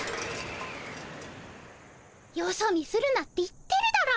よそ見するなって言ってるだろ。